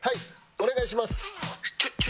お願いします。